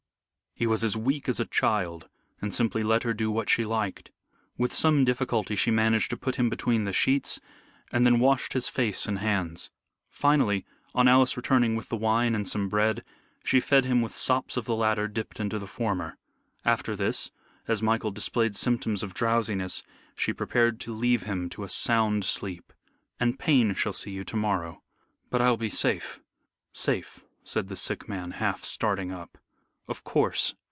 He was as weak as a child, and simply let her do what she liked. With some difficulty she managed to put him between the sheets, and then washed his face and hands. Finally, on Alice returning with the wine and some bread, she fed him with sops of the latter dipped into the former. After this, as Michael displayed symptoms of drowsiness, she prepared to leave him to a sound sleep. "And Payne shall see you to morrow." "But I'll be safe safe," said the sick man, half starting up. "Of course.